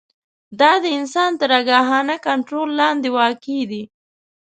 دا د انسان تر آګاهانه کنټرول لاندې واقع دي.